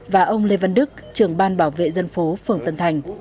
và ông lê văn đức trưởng ban bảo vệ dân phố phường tân thành